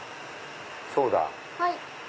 そうだ！